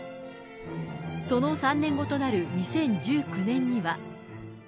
その３年後となる２０１９年には。